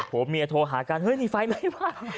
ผัวเมียโทรหาการฮึยหรี่ไฟไม่บ้าน